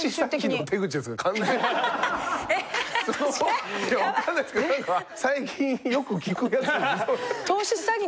分かんないですけどなんか最近よく聞くやつですねそれ。